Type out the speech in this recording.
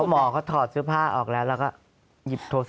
หมอเขาถอดเสื้อผ้าออกแล้วแล้วก็หยิบโทรศัพท์